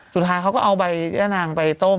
สุดท้ายเขาก็เอาใบย่านางไปต้ม